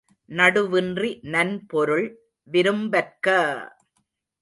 நடுவின்றி நன்பொருள் விரும்பற்க!